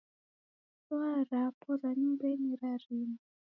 Taa rapo ra nyumbanyi rarima